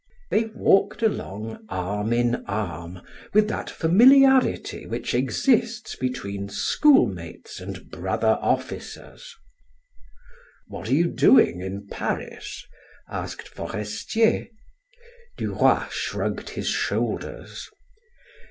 They walked along arm in arm with that familiarity which exists between schoolmates and brother officers. "What are you doing in Paris?" asked Forestier, Duroy shrugged his shoulders.